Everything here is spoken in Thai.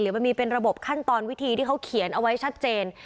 มันมีเป็นระบบขั้นตอนวิธีที่เขาเขียนเอาไว้ชัดเจน